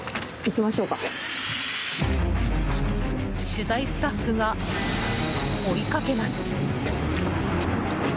取材スタッフが追いかけます。